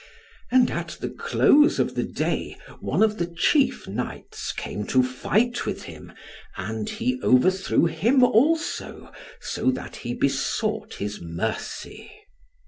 And at the close of the day, one of the chief knights came to fight with him, and he overthrew him also, so that he besought his mercy.